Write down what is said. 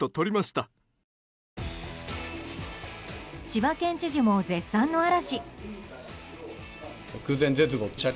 千葉県知事も絶賛の嵐。